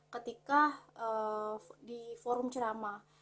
ketika di forum ceramah